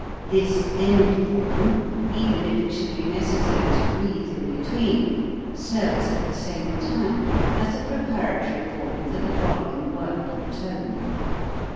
This end form, even if it should be necessary to breathe in between, serves at the same time as a preparatory form for the following word or tone.